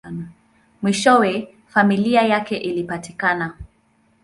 Mwishowe, familia yake ilipatikana.